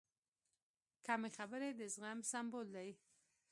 کمې خبرې، د زغم سمبول دی.